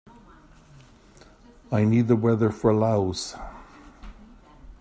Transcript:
I need the weather for Laos